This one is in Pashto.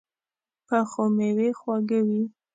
پخو مېوې خواږه وي